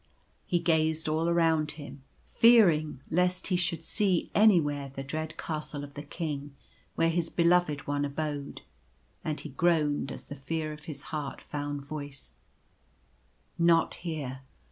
He gazed all around him, fearing lest he should see anywhere the dread Castle of the King, where his Be loved One abode ; and he groaned as the fear of his heart found voice: " Not here!